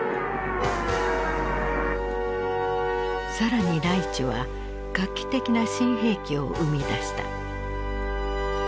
更にライチュは画期的な新兵器を生み出した。